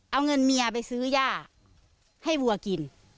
เอาเงินเมียไปซื้อย่าให้วัวกิน